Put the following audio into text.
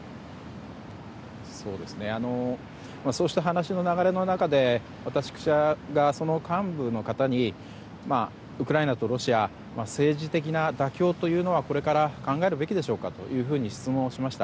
そうした話の流れの中で私がその幹部の方にウクライナとロシア政治的な妥協というのはこれから考えるべきでしょうかと質問をしました。